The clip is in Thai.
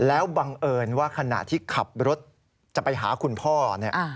แล้วบังเอิญว่าขณะที่ขับรถจะไปหาคุณพ่อเนี่ย